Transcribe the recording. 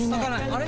あれ？